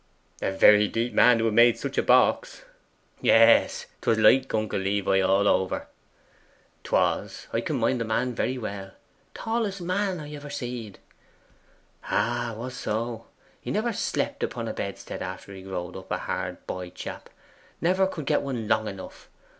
'A very deep man to have made such a box.' 'Yes. 'Twas like uncle Levi all over.' ''Twas. I can mind the man very well. Tallest man ever I seed.' ''A was so. He never slept upon a bedstead after he growed up a hard boy chap never could get one long enough.